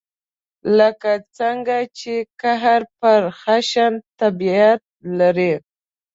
لکه څنګه چې قهر پر خشن طبعیت لري.